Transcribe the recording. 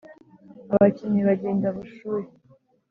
abakinnyi bagenda bushuhe